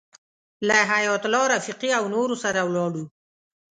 له حیایت الله رفیقي او نورو سره ولاړو.